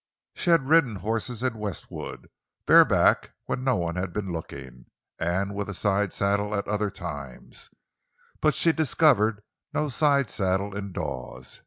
She had ridden horses in Westwood—bareback when no one had been looking, and with a side saddle at other times—but she discovered no side saddle in Dawes.